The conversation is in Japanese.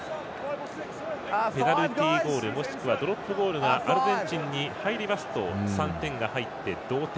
ペナルティゴールもしくはドロップゴールがアルゼンチンに入りますと３点が入って、同点。